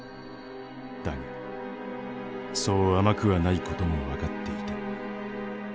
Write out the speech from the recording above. だがそう甘くはないことも分かっていた。